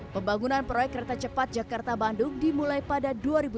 pembangunan proyek kereta cepat jakarta bandung dimulai pada dua ribu dua puluh